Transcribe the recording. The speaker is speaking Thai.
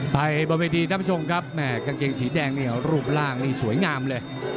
ไปบนเวทีท่านผู้ชมครับแม่กางเกงสีแดงเนี่ยรูปร่างนี่สวยงามเลย